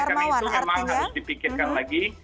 karena itu memang harus dipikirkan lagi